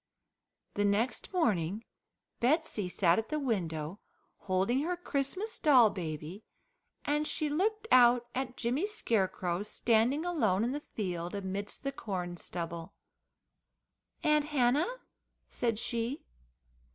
The next morning Betsey sat at the window holding her Christmas doll baby, and she looked out at Jimmy Scarecrow standing alone in the field amidst the corn stubble. "Aunt Hannah?" said she.